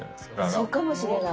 そうかもしれない。